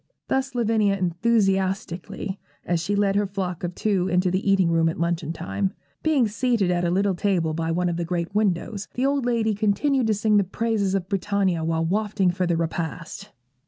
Thus Lavinia enthusiastically, as she led her flock of two into the eating room at luncheon time. Being seated at a little table by one of the great windows, the old lady continued to sing the praises of Britannia while wafting for the repast.